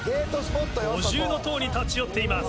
五重塔に立ち寄っています。